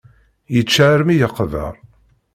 Yečča armi yeqber.